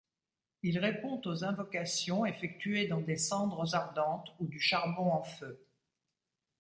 Il répond aux invocations effectuées dans des cendres ardentes ou du charbon en feu.